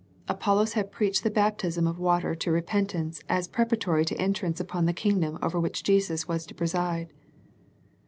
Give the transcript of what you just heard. Apollos had preached the baptism of water to repentance as preparatory to entrance upon the Kingdom over which Jesus was to preside.